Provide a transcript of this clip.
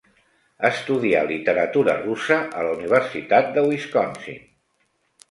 Estudià literatura russa a la Universitat de Wisconsin.